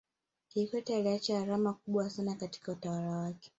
kikwete aliacha alama kubwa sana katika utawala wake